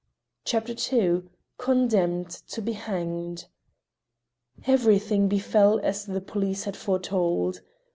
CHAPTER II CONDEMNED TO BE HANGED Everything befell as the police had foretold.